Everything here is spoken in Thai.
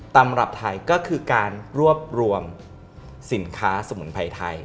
ตำรับไทยก็คือการรวบรวมสินค้าสมุนไพรไทย